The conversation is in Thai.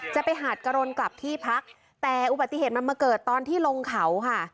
จะไปหาดกะรนกลับที่พักแต่อุบัติเหตุมันมาเกิดตอนที่ลงเขาค่ะ